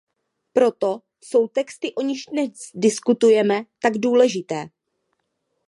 Proto jsou texty, o nichž dnes diskutujeme, tak důležité.